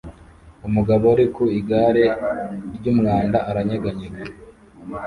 Umugabo uri ku igare ryumwanda aranyeganyega